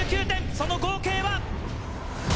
その合計は。